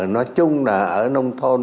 nói chung là ở nông thôn